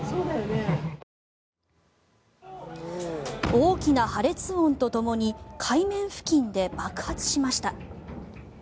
大きな破裂音とともに海面付近で爆発しました。